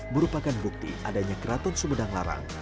merupakan bukti adanya keraton sumedang larang